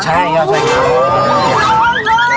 ใช่ยาวชาโค